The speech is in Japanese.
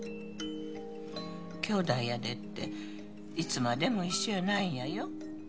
きょうだいやでっていつまでも一緒やないんやよ